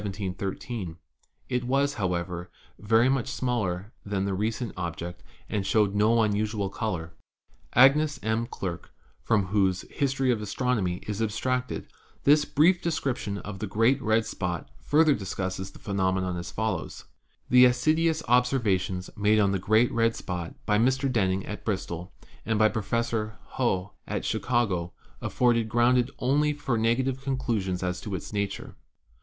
It was, however, 200 ASTRONOMY very much smaller than the recent object and showed no unusual color. Agnes M. Clerke, from whose 'History of Astronomy' is abstracted this brief description of the "great red spot," further discusses the phenomenon as fol lows: "The assiduous observations made on the 'Great Red Spot' by Mr. Denning at Bristol and by Professor Hough at Chicago afforded ground only for negative con clusions as to its nature.